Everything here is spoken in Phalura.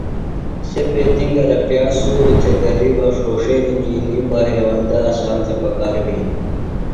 سےۡ بیتِنگلہ پیاز سُوریۡ تھےۡ گلیۡ بہ ݜوݜینیۡ کی نیۡ بہ ہیوندہ اسام تھےۡ پکار بِھین۔